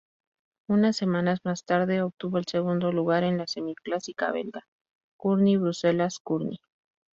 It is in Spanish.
Unas semanas más tarde, obtuvo el segundo lugar en la semi-clásica belga Kuurne-Bruselas-Kuurne.